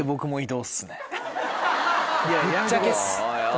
ぶっちゃけっす。